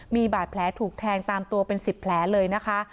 มีบาดแผลถูกแทงตามตัวเป็น๑๐แผลเลยนะคะ